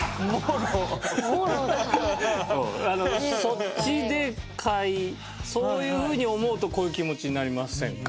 そっちでそういう風に思うとこういう気持ちになりませんか？